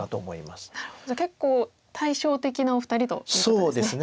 じゃあ結構対照的なお二人ということですね。